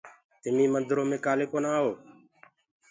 تمي مندرو مي ڪآلي ڪونآ آئو؟